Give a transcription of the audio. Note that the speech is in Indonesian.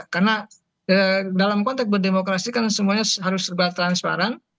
karena dalam konteks berdemokrasi kan semuanya harus serba transparan